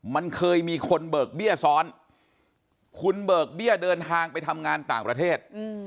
มันเคยมีคนเบิกเบี้ยซ้อนคุณเบิกเบี้ยเดินทางไปทำงานต่างประเทศ